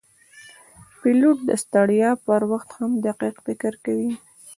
پیلوټ د ستړیا پر وخت هم دقیق فکر کوي.